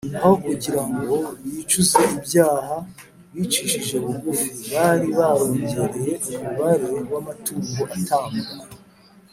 aho kugira ngo bicuze ibyaha bicishije bugufi, bari barongereye umubare w’amatungo atambwa,